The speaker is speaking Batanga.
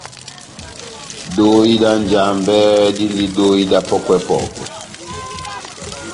Dohi dá Njambɛ díndi dóhi dá pɔ́kwɛ-pɔkwɛ.